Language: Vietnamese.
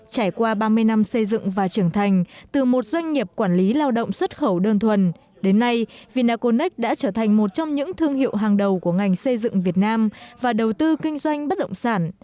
trải qua ba mươi năm xây dựng và trưởng thành từ một doanh nghiệp quản lý lao động xuất khẩu đơn thuần đến nay vinaconex đã trở thành một trong những thương hiệu hàng đầu của ngành xây dựng việt nam và đầu tư kinh doanh bất động sản